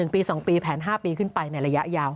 ๑ปี๒ปีแผน๕ปีขึ้นไปในระยะยาว